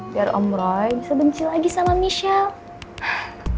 biar om roy bisa benci lagi sama michelle